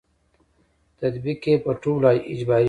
تطبیق یې په ټولو اجباري وي.